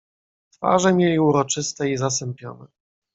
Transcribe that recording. "Twarze mieli uroczyste i zasępione."